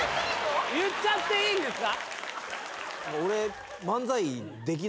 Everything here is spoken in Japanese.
言っちゃっていいんですか？